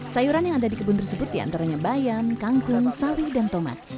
sayuran yang ada di kebun tersebut diantaranya bayam kangkung sawi dan tomat